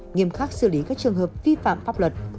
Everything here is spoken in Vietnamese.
nghiêm khắc xử lý các trường hợp vi phạm pháp luật